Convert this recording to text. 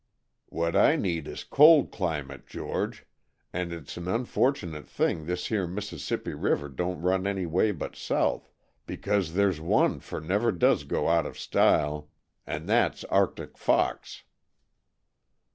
What I need is cold climate, George, and it's an unfortunate thing this here Mississippi River don't run any way but south, because there's one fur never does go out of style, and that's arctic fox